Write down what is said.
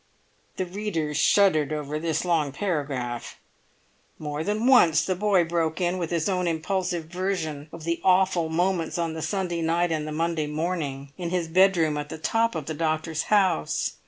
The readers shuddered over this long paragraph. More than once the boy broke in with his own impulsive version of the awful moments on the Sunday night and the Monday morning, in his bedroom at the top of the doctor's house.